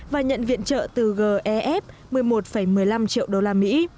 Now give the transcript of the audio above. và nhận viện trợ từ gef một mươi một một mươi năm triệu đô la mỹ